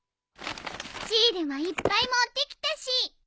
シールもいっぱい持ってきたし。